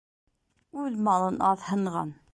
Үҙ малын аҙһынған